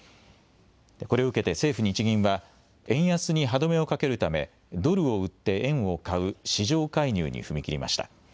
これを受けて政府、日銀は円安に歯止めをかけるためドルを売って円を買う市場介入に踏み切りました。